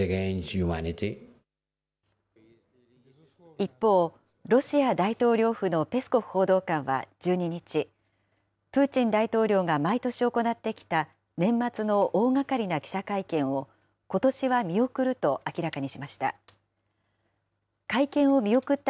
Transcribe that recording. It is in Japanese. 一方、ロシア大統領府のペスコフ報道官は１２日、プーチン大統領が毎年行ってきた年末の大がかりな記者会見を、ことしは見送ると明らかにしました。